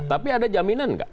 tapi ada jaminan nggak